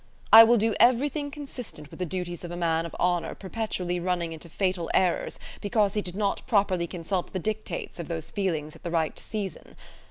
I will do everything consistent with the duties of a man of honour perpetually running into fatal errors because he did not properly consult the dictates of those feelings at the right season.